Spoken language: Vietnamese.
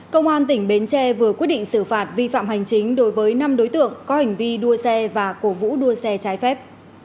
công an tỉnh bến tre vừa quyết định xử phạt vi phạm hành chính đối với năm đối tượng có hành vi đua xe và cổ vũ đua xe trái phép